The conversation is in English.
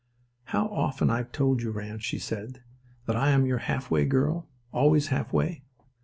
"How often have I told you, Ranse," she said, "that I am your half way girl? Always half way."